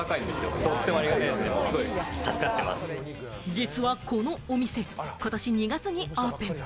実はこのお店、ことし２月にオープン。